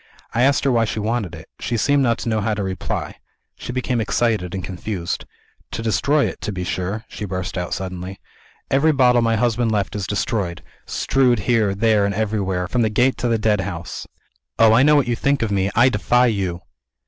I asked her why she wanted it. She seemed not to know how to reply; she became excited and confused. 'To destroy it, to be sure!' she burst out suddenly. 'Every bottle my husband left is destroyed strewed here, there, and everywhere, from the Gate to the Deadhouse. Oh, I know what you think of me I defy you!'